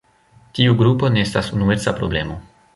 Tiu grupo ne estas unueca problemo.